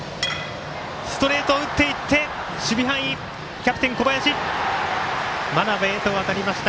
キャプテン小林、真鍋へと渡りました。